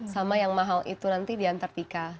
sama yang mahal itu nanti di antartika